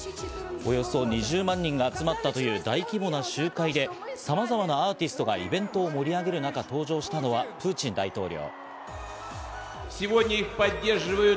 およそ２０万人が集まったという大規模な集会で、様々なアーティストがイベントを盛り上げる中、登場したのはプーチン大統領。